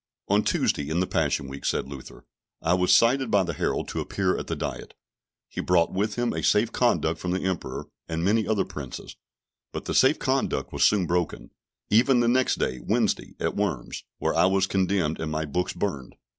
On Tuesday in the Passion week, said Luther, I was cited by the herald to appear at the Diet; he brought with him a safe conduct from the Emperor, and many other Princes, but the safe conduct was soon broken, even the next day (Wednesday), at Worms, where I was condemned, and my books burned.